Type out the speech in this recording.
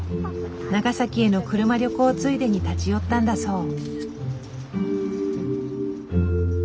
長崎への車旅行ついでに立ち寄ったんだそう。